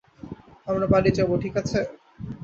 আমরা বাড়ি যাব, ঠিক আছে?